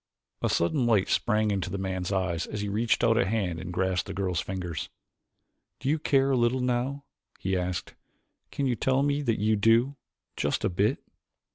A sudden light sprang to the man's eyes as he reached out a hand and grasped the girl's fingers. "Do you care a little now?" he asked. "Can't you tell me that you do just a bit?"